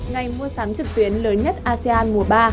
ngày mua sắm trực tuyến lớn nhất asean mùa ba